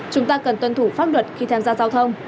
chúng ta cần tuân thủ pháp luật khi tham gia giao thông